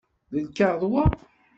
D lkaɣeḍ wa?